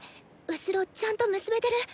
後ろちゃんと結べてる？